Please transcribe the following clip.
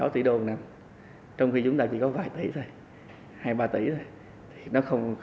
trong khi chúng ta chỉ có vài tỷ thôi hai ba tỷ thôi